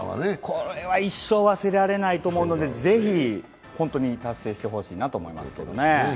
これは一生忘れられないと思うのでぜひ本当に達成してほしいですね。